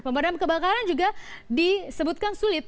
pemadam kebakaran juga disebutkan sulit